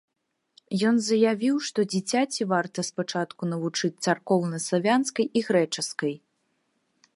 Ён заявіў, што дзіцяці варта спачатку навучыць царкоўнаславянскай і грэчаскай.